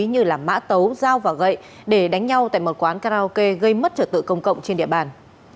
như mã tấu dao và gậy để đánh nhau tại một quán karaoke gây mất trật tự công cộng trên địa bàn